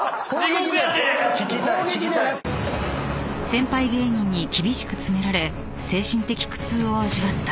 ［先輩芸人に厳しく詰められ精神的苦痛を味わった］